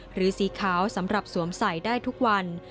หรือสีขาวสำหรับสวมใส่ได้ทุกวัน